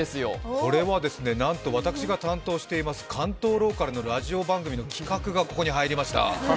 これはなんと私が担当しています関東ローカルのラジオの企画がここに入りました。